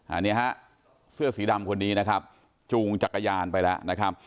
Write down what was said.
อันนี้ฮะเสื้อสีดำคนนี้นะครับจูงจักรยานไปแล้วนะครับ